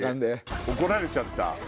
怒られちゃった。